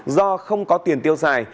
do không có tiền tiêu dài